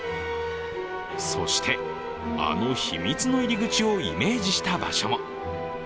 そして、あの秘密の入り口をイメージした場所も。